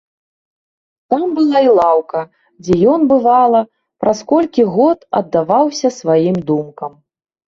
Там была і лаўка, дзе ён, бывала, праз колькі год, аддаваўся сваім думкам.